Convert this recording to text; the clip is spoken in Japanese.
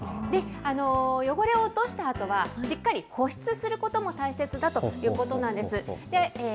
で、汚れを落としたあとは、しっかり保湿することも大切だということなんです。